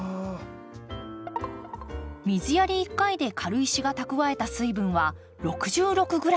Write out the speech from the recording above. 水やり１回で軽石が蓄えた水分は６６グラム。